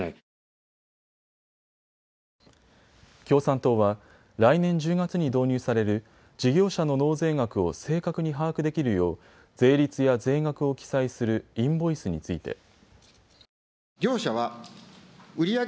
共産党は来年１０月に導入される事業者の納税額を正確に把握できるよう税率や税額を記載するインボイスについて。